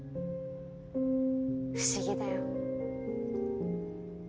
不思議だよ。